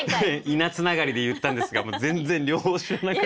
稲つながりで言ったんですが全然両方知らなかった。